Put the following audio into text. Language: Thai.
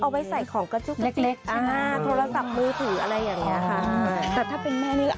๒๐ใบก็ร้อย๑๒๐ล้าน